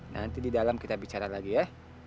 nanti di dalam kita bicara lagi ya